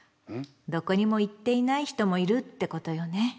どこにも行っていない人もいるってことよね。